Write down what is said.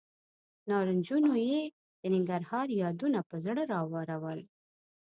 نارنجونو یې د ننګرهار یادونه پر زړه راورول.